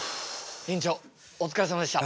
院長お疲れさまでした。